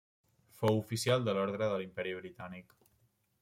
Fou oficial de l'Orde de l'Imperi Britànic.